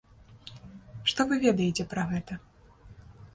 Што вы ведаеце пра гэта?